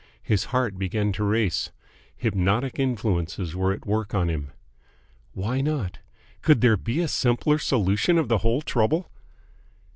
His heart began to race. Hypnotic influences were at work on him. Why not? Could there be a simpler solution of the whole trouble?